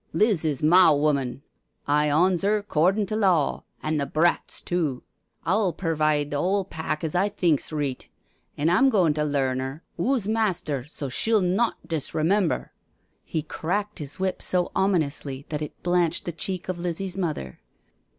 Liz is ma wummon, I awns 'er 'cordin' to law, an' the brats too. I'll pervide for the 'ole pack as I thinks reet— and I'm goin' to learn 'er who's master so she'll not disremember." He cracked his whip so ominously that it blanched the cheek of Lizzie's mother.